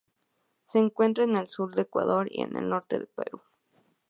Se encuentra en el sur de Ecuador y el norte de Perú.